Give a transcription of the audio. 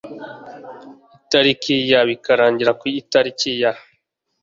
itariki ya bikarangira ku itariki ya